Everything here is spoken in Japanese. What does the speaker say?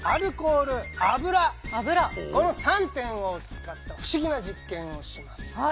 この３点を使った不思議な実験をします。